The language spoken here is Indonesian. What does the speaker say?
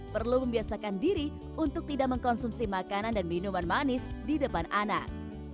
perlu membiasakan diri untuk tidak mengkonsumsi makanan dan minuman manis di depan anak